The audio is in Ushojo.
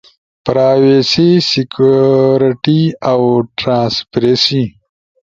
پراویسی، سیکیوریٹی اؤ ٹرانسپریسی۔